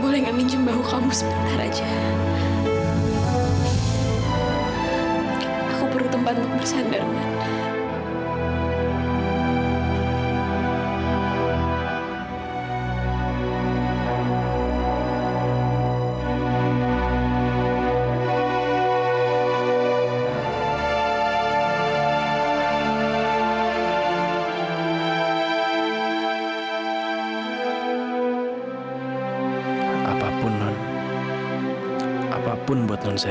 lihat tuh keringetannya